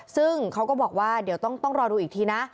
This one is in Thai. ซึ่งเขาก็บอกว่าเดี๋ยวต้องรอดูอีกทีนะ